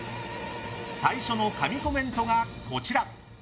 最初の神コメントが、こちら。